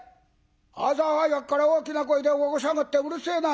朝早くから大きな声で起こしやがってうるせえな！」。